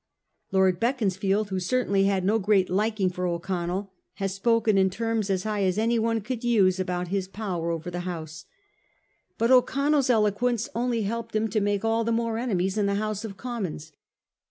Lord Beaconsfield, who certainly had no great liking for O'Connell, has spoken in terms as high as anyone could use about his power over the House. But O'Connell's eloquence only helped him to make all the more enemies in the House of Commons.